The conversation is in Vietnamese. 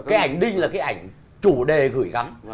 cái ảnh đinh là cái ảnh chủ đề gửi gắm